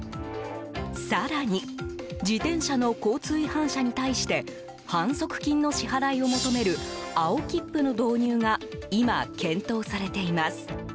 更に、自転車の交通違反者に対して反則金の支払いを求める青切符の導入が今、検討されています。